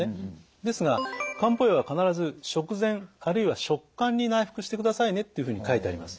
ですが漢方薬は必ず食前あるいは食間に内服してくださいねっていうふうに書いてあります。